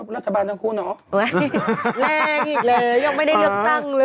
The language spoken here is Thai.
รัฐบาลทั้งคู่เนาะแรงอีกเลยยังไม่ได้เลือกตั้งเลย